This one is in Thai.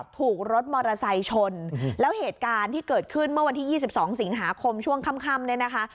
ถูกรถมอเตอร์ไซค์ชนแล้วเหตุการณ์ที่เกิดขึ้นเมื่อวันที่๒๒สิงหาคมช่วงค่ำเนี่ยนะคะ